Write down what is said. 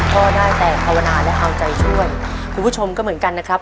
ก็ได้แต่ภาวนาและเอาใจช่วยคุณผู้ชมก็เหมือนกันนะครับ